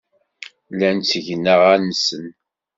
Llan ttgen aɣan-nsen.